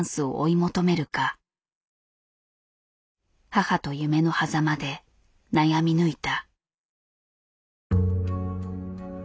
母と夢のはざまで悩み抜いた。